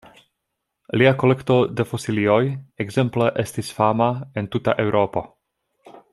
Lia kolekto de fosilioj ekzemple estis fama en tuta Eŭropo.